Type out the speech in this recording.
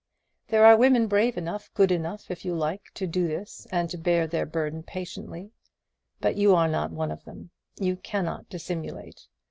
There are women brave enough good enough, if you like to do this, and to bear their burden patiently; but you are not one of them. You cannot dissimulate.